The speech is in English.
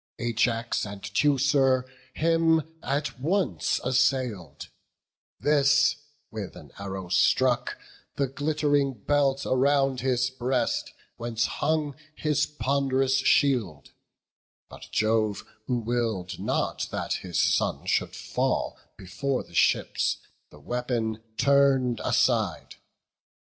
Ajax and Teucer him at once assail'd; This with an arrow struck the glitt'ring belt Around his breast, whence hung his pond'rous shield; But Jove, who will'd not that his son should fall Before the ships, the weapon turn'd aside.